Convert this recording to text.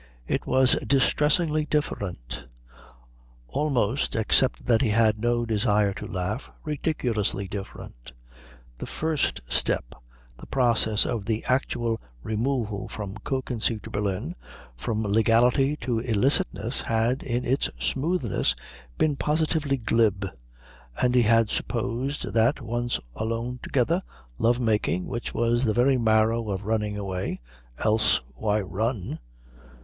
It was distressingly different. Almost, except that he had no desire to laugh, ridiculously different. The first step, the process of the actual removal from Kökensee to Berlin, from legality to illicitness, had in its smoothness been positively glib; and he had supposed that, once alone together, love making, which was the very marrow of running away else why run?